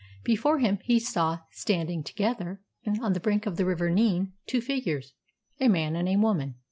Before him, he saw standing together, on the brink of the river Nene, two figures a man and a woman.